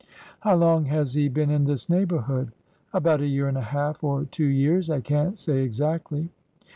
'' How long has he been in this neighborhood ?"'' About a year and a half or two years. I can't say exactly."